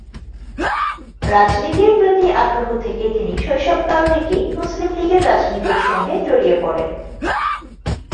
রাজনীতির প্রতি আগ্রহ থেকে তিনি শৈশবকাল থেকেই মুসলিম লীগের রাজনীতির সঙ্গে জড়িয়ে পড়েন।